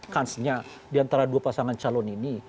kansnya diantara dua pasangan calon ini